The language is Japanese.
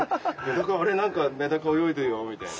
あれなんかメダカ泳いでるよみたいな。